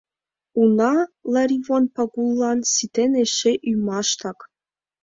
Уна, Ларивон Пагуллан ситен эше ӱмаштак.